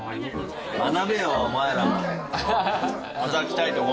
学べよお前らも。